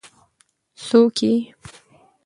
څوک يې ؟